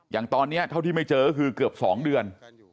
อย่างตอนนี้เท่าที่ไม่เจอก็คือเกือบ๒เดือน